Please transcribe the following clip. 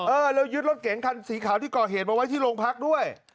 เออแล้วยึดรถเก๋งคันสีขาวที่ก่อเหตุมาไว้ที่โรงพักด้วย